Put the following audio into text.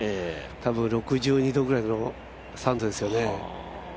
多分６２度ぐらいのサンドですよね。